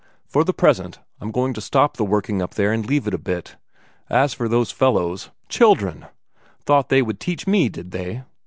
For the present, I'm going to stop the working up there and leave it a bit. As for those fellows children! Thought they would teach me, did they?